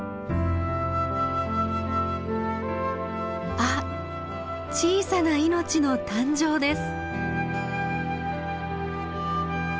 あっ小さな命の誕生です。